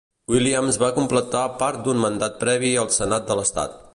Williams va completar part d'un mandat previ al senat de l'Estat.